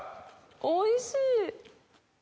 おいしい。